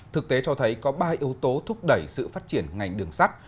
thực tế cho thấy có ba yếu tố thúc đẩy sự phát triển ngành đường sắt